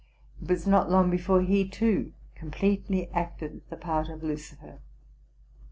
It was not long before he, too, completely acted the part of Lucifer.